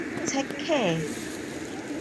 Take care.